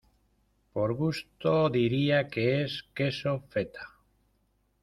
Por gusto, diría que es queso feta.